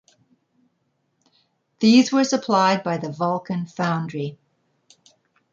These were supplied by the Vulcan Foundry.